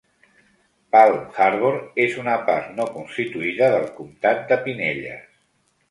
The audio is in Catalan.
Palm Harbor és una part no constituïda del comtat de Pinellas.